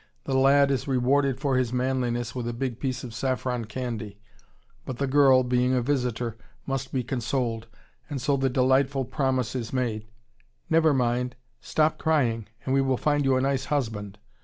The lad is rewarded for his manliness with a big piece of saffron candy, but the girl, being a visitor, must be consoled; and so the delightful promise is made: "Never mind; stop crying, and we will find you a nice husband.